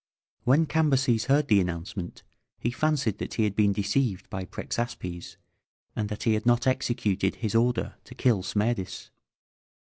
When Cambyses heard the announcement he fancied that he had been deceived by Prexaspes, and that he had not executed his order to kill Smerdis.